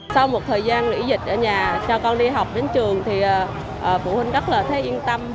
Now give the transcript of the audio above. sau một thời gian lũy dịch ở nhà cho con đi học đến trường thì phụ huynh rất là thấy yên tâm